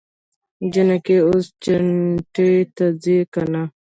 جينکۍ اوس چينې ته ځي که نه؟